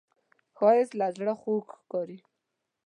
ښایست له زړه خوږ ښکاري